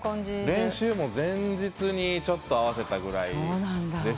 練習も前日にちょっと合わせたぐらいでしたね。